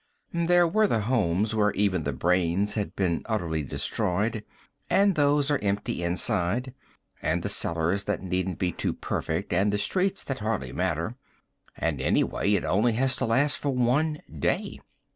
"There were the homes where even the brains had been utterly destroyed, and those are empty inside, and the cellars that needn't be too perfect, and the streets that hardly matter. And anyway, it only has to last for one day.